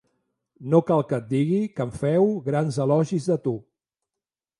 No cal que et digui que em féu grans elogis de tu.